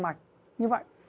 mạch như vậy